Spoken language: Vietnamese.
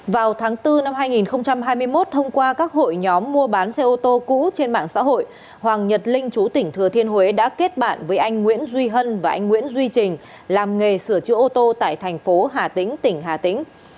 vào tháng bốn năm hai nghìn hai mươi một thông qua các hội nhóm mua bán xe ô tô cũ trên mạng xã hội hoàng nhật linh chú tỉnh thừa thiên huế đã kết bạn với anh nguyễn duy hân và anh nguyễn duy trình làm nghề sửa chữa ô tô tại thành phố hà tĩnh tỉnh hà tĩnh